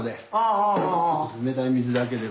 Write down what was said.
冷たい水だけでも。